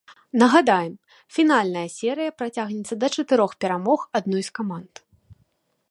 Нагадаем, фінальная серыя працягнецца да чатырох перамог адной з каманд.